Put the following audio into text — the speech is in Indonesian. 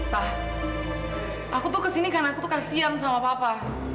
tah aku tuh kesini karena aku tuh kasian sama papa